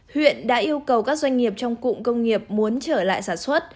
huyện đã yêu cầu các doanh nghiệp trong cụm công nghiệp muốn trở lại sản xuất